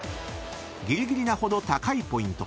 ［ぎりぎりなほど高いポイント］